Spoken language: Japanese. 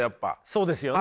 そうですよね。